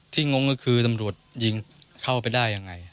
งงก็คือตำรวจยิงเข้าไปได้ยังไง